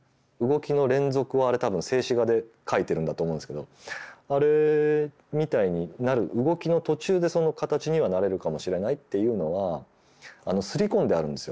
動きの連続をあれ多分静止画で描いてるんだと思うんですけどあれみたいになる動きの途中でその形にはなれるかもしれないっていうのは刷り込んであるんですよ。